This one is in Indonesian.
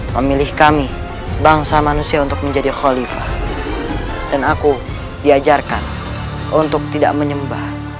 pemilih kami bangsa manusia untuk menjadi kholifah dan aku diajarkan untuk tidak menyembah